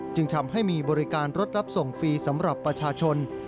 จึงทำให้มีบริการรถรับส่งฟรีสำหรับประชาชน